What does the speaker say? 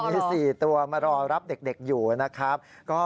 มี๔ตัวมารอรับเด็กอยู่นะครับ